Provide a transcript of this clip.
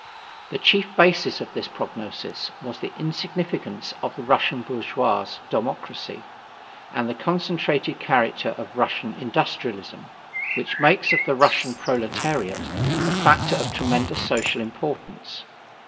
The chief basis of this prognosis was the insignificance of the Russian bourgeois democracy and the concentrated character of Russian industrialism which makes of the Russian proletariat a factor of tremendous social importance.